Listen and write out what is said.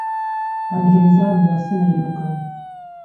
انګرېزانو لاسونه یو کړل.